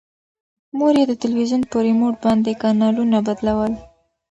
مور یې د تلویزون په ریموټ باندې کانالونه بدلول.